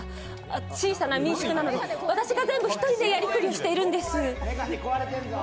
小さな民宿なので、私が全部一人でやりくりをしているんです。